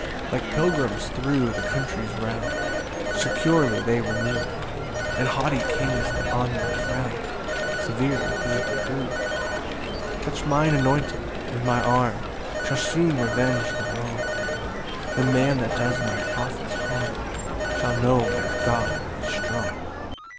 6 Like pilgrims thro' the countries round Securely they remov'd; And haughty kings that on them frown'd, Severely he reprov'd. 7 "Touch mine anointed, and my arm "Shall soon revenge the wrong: "The man that does my prophets harm Shall know their God is strong."